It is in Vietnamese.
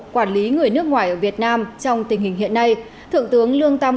quản lý người nước ngoài ở việt nam trong tình hình hiện nay